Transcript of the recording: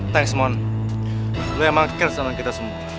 thanks mon lu emang care sama kita semua